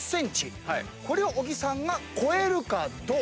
これを小木さんが超えるかどうか。